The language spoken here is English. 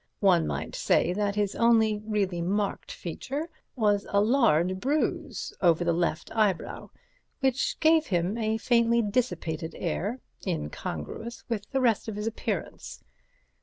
One might say that his only really marked feature was a large bruise over the left eyebrow, which gave him a faintly dissipated air incongruous with the rest of his appearance.